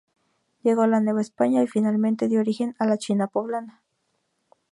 Llegó a la Nueva España y finalmente dio origen a la "China Poblana".